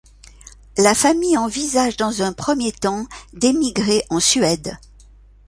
La famille envisage dans un premier temps d’émigrer en Suède.